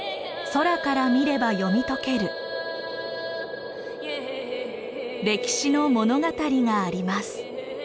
空から見れば読み解ける歴史の物語があります。